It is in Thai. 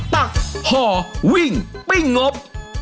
ตักห่อวิ่งปิ้งงบ